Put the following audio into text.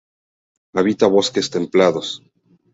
Habita bosques templados.